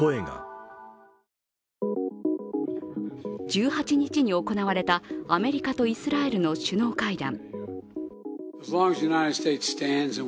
１８日に行われたアメリカとイスラエルの首脳会談。